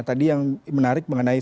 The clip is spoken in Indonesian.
tadi yang menarik mengenai